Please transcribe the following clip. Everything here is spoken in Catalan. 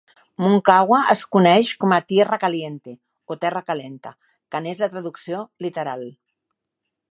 Moncagua es coneix com a "tierra caliente" o "terra calenta", que n'és la traducció literal.